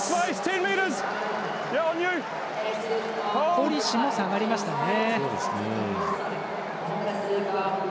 コリシも下がりましたね。